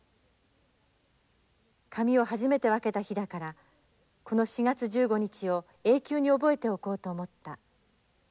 髪を初めて分けた日だからこの４月１５日を永久に覚えておこうと思った」。